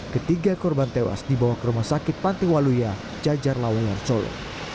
ketiga korban tewas dibawa ke rumah sakit pantai waluya jajar lawean solo